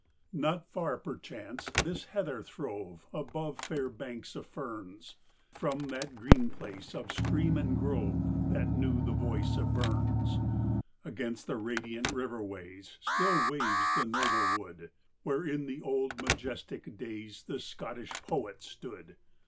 Not far, perchance, this heather throve (Above fair banks of ferns), From that green place of stream and grove That knew the voice of Burns. Against the radiant river ways Still waves the noble wood, Where in the old majestic days The Scottish poet stood.